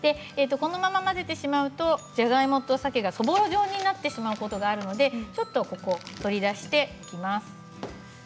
このまま混ぜてしまうとじゃがいもとさけがそぼろ状になってしまうことがあるのでちょっと取り出していきます。